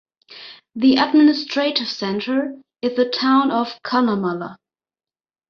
The administrative centre is the town of Cunnamulla.